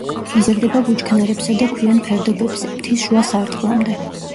იზრდება ბუჩქნარებსა და ქვიან ფერდობებზე მთის შუა სარტყლამდე.